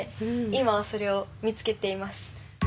今はそれを見つけています。